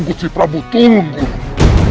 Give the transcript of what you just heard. gusti prabu turun gunung